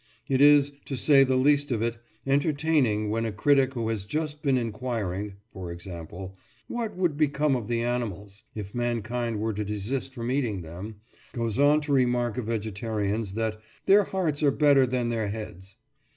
It is, to say the least of it, entertaining when a critic who has just been inquiring (for example) "what would become of the animals" if mankind were to desist from eating them, goes on to remark of vegetarians that "their hearts are better than their heads."